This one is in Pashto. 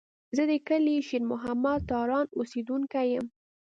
زه د کلي شېر محمد تارڼ اوسېدونکی یم.